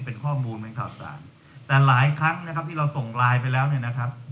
เป็นข้อมูลเป็นข่าวสารแต่หลายครั้งนะครับที่เราส่งไลน์ไปแล้วเนี่ยนะครับ